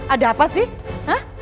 ada apa sih hah